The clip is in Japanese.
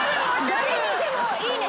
誰にでもいいね！